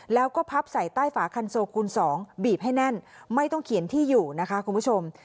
แล้วก็พับใส่ใต้ฝาคันโซคูณ๒บีบให้แน่นไม่ต้องเขียนที่อยู่นะคะคุณผู้ชม